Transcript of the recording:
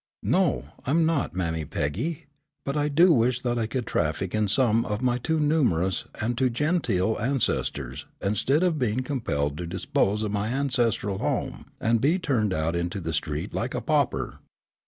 "No, I'm not, Mammy Peggy, but I do wish that I could traffic in some of my too numerous and too genteel ancestors instead of being compelled to dispose of my ancestral home and be turned out into the street like a pauper."